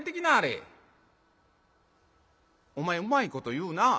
「お前うまいこと言うなぁ。